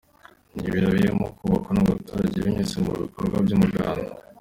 Ni ibiro birimo kubakwa n’abaturage binyuze mu bikorwa by’umuganda.